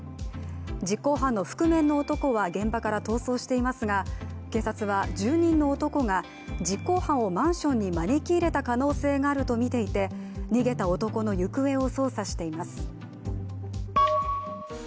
実行犯の覆面の男は現場から逃走していますが警察は、住人の男が、実行犯をマンションに招き入れた可能性があるとみていて逃げた男の行方を捜査しています。